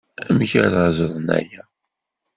Amek ara ẓren aya?